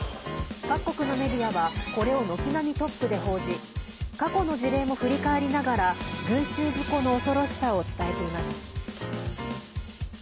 各国のメディアはこれを軒並みトップで報じ過去の事例も振り返りながら群衆事故の恐ろしさを伝えています。